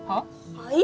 はい？